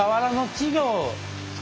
稚魚？